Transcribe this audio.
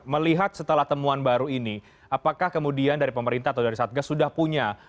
melihat setelah temuan baru ini apakah kemudian dari pemerintah atau dari satgas sudah punya